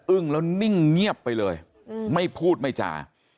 แล้วนิ่งเงียบไปเลยไม่พูดไม่จา